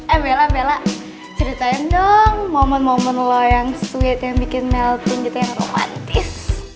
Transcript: eh bella bella ceritain dong momen momen lo yang sweet yang bikin melting gitu yang romantis